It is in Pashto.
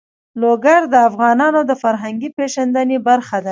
لوگر د افغانانو د فرهنګي پیژندنې برخه ده.